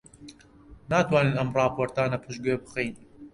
ناتوانین ئەم ڕاپۆرتانە پشتگوێ بخەین.